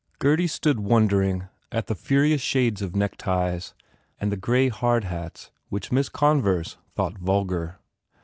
Gurdy stood wondering at the furious shades of neckties and the grey hard hats which Miss Converse thought vulgar.